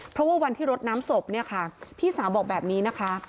เพราะว่าวันที่รดน้ำศพเนี่ยค่ะพี่สาวบอกแบบนี้นะคะ